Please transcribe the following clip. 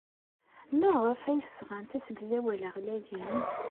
Maɣef ay d-sɣant asegzawal-a ɣlayen?